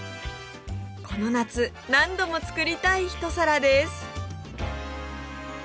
この夏何度も作りたいひと皿です